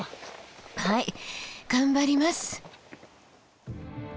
はい頑張ります。